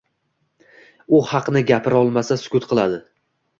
U haqni gapirolmasa sukut qiladi.